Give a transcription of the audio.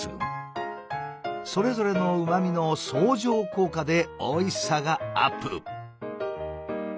それぞれのうまみの相乗効果でおいしさがアップ。